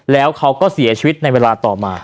แล้วเขาก็เสียชีวิตในเวลาต่อมา